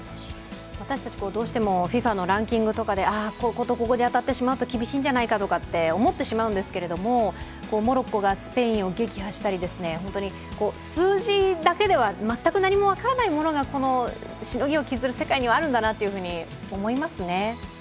私たち、どうしてもＦＩＦＡのランキングとかで、こことここが当たったら厳しいんじゃないかとか思ってしまうんですけれども、モロッコがスペインを撃破したり、本当に数字だけでは全く何も分からないものがしのぎを削る世界にはあるんだなと思いますね。